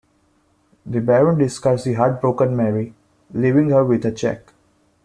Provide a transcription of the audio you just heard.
The baron discards the heartbroken Marie, leaving her with a check.